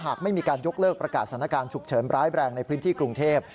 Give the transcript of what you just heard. ไม่มีการยกเลิกประกาศสถานการณ์ฉุกเฉินร้ายแรงในพื้นที่กรุงเทพ